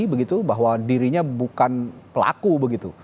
begitu bahwa dirinya bukan pelaku begitu